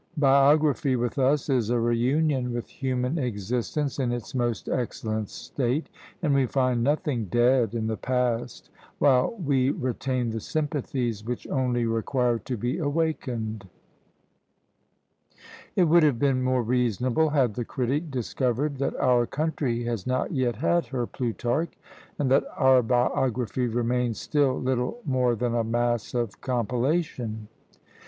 Biography with us is a re union with human existence in its most excellent state! and we find nothing dead in the past, while we retain the sympathies which only require to be awakened. It would have been more reasonable had the critic discovered that our country has not yet had her Plutarch, and that our biography remains still little more than a mass of compilation.